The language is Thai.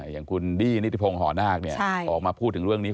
อย่างคุณดี้นิติพงศ์หอนาคออกมาพูดถึงเรื่องนี้